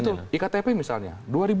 itu iktp misalnya